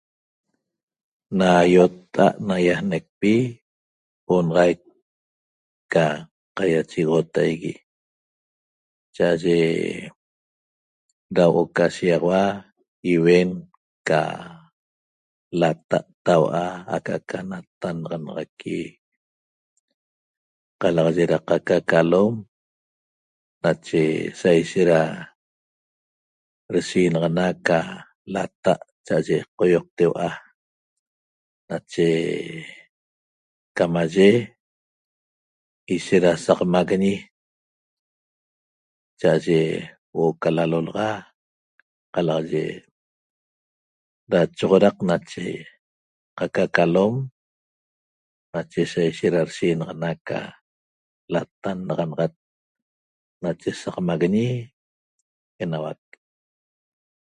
Na ýotta'a't naýajnecpi onaxaic ca qaiachegoxotaigui cha'aye da huo'o ca shiýaxaua iuen ca lata' tau'a aca'aca natannaxanaxaqui qalaxaye da qaca aca alom nache sa ishet deshiinaxana ca lata' ca'aye qoýoqteua'a nache camaye ishet da saq maguiñi cha'aye huo'o ca lalolaxa qalaxaye da choxodaq nache qaca ca alom nache sa ishet da deshiinaxana ca latannaxanaxat nache saq maguiñi enauac